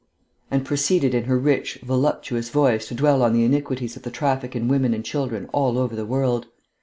And proceeded in her rich, voluptuous voice to dwell on the iniquities of the traffic in women and children all over the world.